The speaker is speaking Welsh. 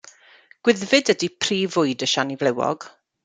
Gwyddfid ydy prif fwyd y siani flewog.